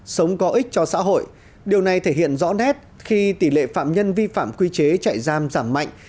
sống có ích cho xã hội điều này thể hiện rõ nét khi tỷ lệ phạm nhân vi phạm quy chế chạy giam giảm mạnh